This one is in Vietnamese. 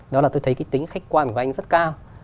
đó là tôi thấy cái tính khách quan của anh rất cao